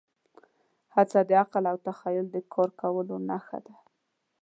هڅه د عقل او تخیل د کار کولو نښه ده.